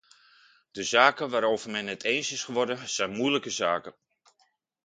De zaken waarover men het eens is geworden, zijn moeilijke zaken.